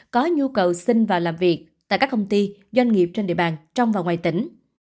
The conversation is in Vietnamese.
có nhu cầu xin và làm việc tại các công ty doanh nghiệp trên địa bàn trong và ngoài tỉnh